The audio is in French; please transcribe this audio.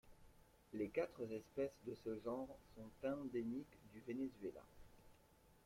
Les quatre espèces de ce genre sont endémiques du Venezuela.